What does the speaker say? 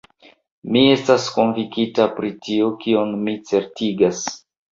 Mi estas konvinkita pri tio, kion mi certigas.